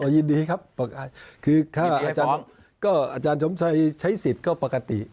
ยินดีครับอาจารย์ชมใช้สิทธิ์ก็ปกติ